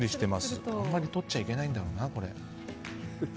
あんまりとっちゃいけないんだろうな、これ。